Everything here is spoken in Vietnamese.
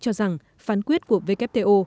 cho rằng phán quyết của wto